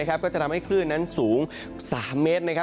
ก็จะทำให้คลื่นนั้นสูง๓เมตร